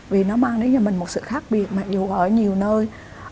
vì nó mang đến cho mình một sự khác biệt mặc dù ở nhiều nơi